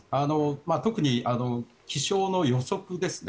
特に気象の予測ですね。